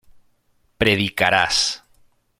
predicarás